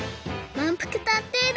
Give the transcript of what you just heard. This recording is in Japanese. まんぷく探偵団！